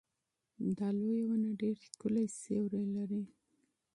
دا لویه ونه ډېر ښکلی سیوری لري.